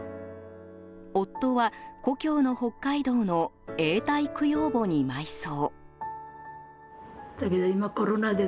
夫は、故郷の北海道の永代供養墓に埋葬。